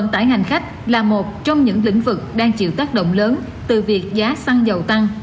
trong những lĩnh vực đang chịu tác động lớn từ việc giá xăng dầu tăng